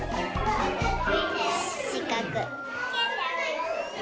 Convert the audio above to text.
しかく。